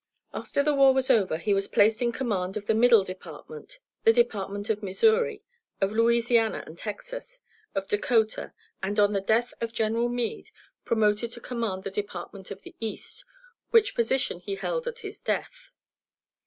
After the war was over he was placed in command of the Middle Department, the Department of Missouri, of Louisiana and Texas, of Dakota, and on the death of General Meade, promoted to command the Department of the East, which position he held at his death.